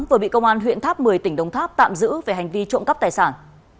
vừa bị công an huyện tháp một mươi tỉnh đồng tháp tạm giữ về hành vi trộm cắp tài sản